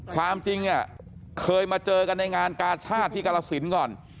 ความจริงเนี่ยเคยมาเจอกันในงานกาชาติที่กรสินก่อน